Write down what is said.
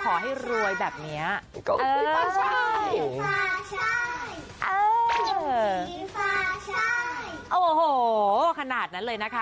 โอ้โหขนาดนั้นเลยนะคะ